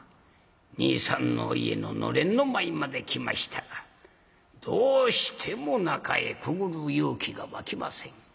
兄さんの家の暖簾の前まで来ましたがどうしても中へくぐる勇気が湧きません。